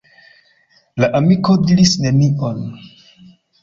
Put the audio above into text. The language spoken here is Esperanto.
La amiko diris nenion.